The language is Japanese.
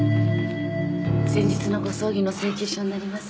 先日のご葬儀の請求書になります。